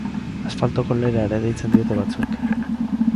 Asfaltoko lera ere deitzen diote batzuek.